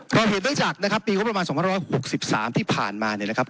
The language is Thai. เราเห็นด้วยจากนะครับปีก็ประมาณสองพันร้อยหกสิบสามที่ผ่านมาเนี่ยนะครับ